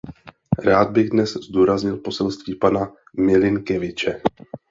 Rád bych dnes zdůraznil poselství pana Milinkeviče.